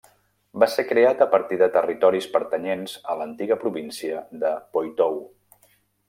Va ser creat a partir de territoris pertanyents a l'antiga província de Poitou.